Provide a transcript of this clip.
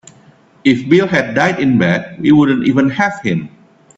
If Bill had died in bed we wouldn't even have him.